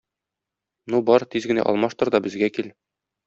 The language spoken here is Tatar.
Ну, бар, тиз генә алмаштыр да безгә кил